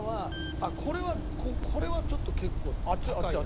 あっこれはこれはちょっと結構高いな。